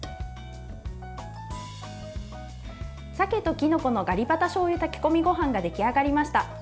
鮭ときのこのガリバタしょうゆ炊き込みご飯が出来上がりました。